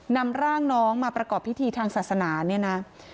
นำร่างน้องมาประกอบพิธีทางศาสนาเนี่ยนะ